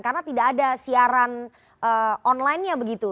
karena tidak ada siaran online nya begitu